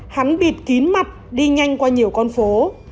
hắn bịt kín mặt đi nhanh qua nhiều con phố